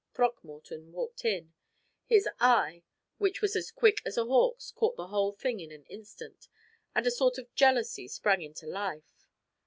Throckmorton walked in. His eye, which was as quick as a hawk's, caught the whole thing in an instant, and a sort of jealousy sprang into life.